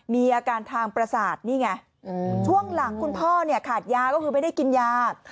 มีอาการทางประสาทนี่ไงช่วงหลังคุณพ่อเนี่ยขาดยาก็คือไม่ได้กินยา